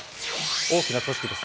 大きな組織です。